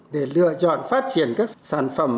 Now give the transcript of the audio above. để lựa chọn phát triển các sản phẩm